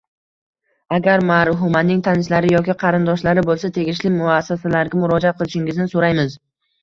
Agar marhumaning tanishlari yoki qarindoshlari bo`lsa, tegishli muassasalarga murojaat qilishingizni so`raymiz